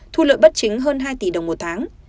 thu lợi bất chính hơn hai tỷ đồng một tháng